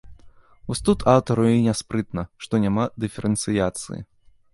Вось тут аўтару й няспрытна, што няма дыферэнцыяцыі.